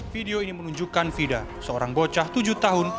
video ini menunjukkan fida seorang bocah tujuh tahun